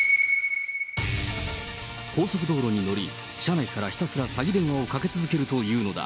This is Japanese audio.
高速道路に乗り、車内からひたすら詐欺電話をかけ続けるというのだ。